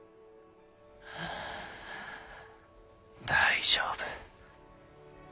大丈夫。